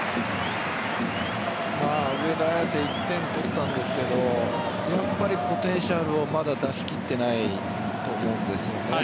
上田綺世、１点取ったんですがやっぱりポテンシャルをまだ出しきっていないと思うんですよね。